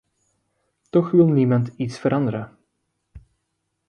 Toch wil niemand iets veranderen.